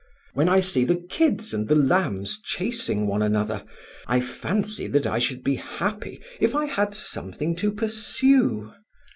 When I see the kids and the lambs chasing one another, I fancy that I should be happy if I had something to pursue.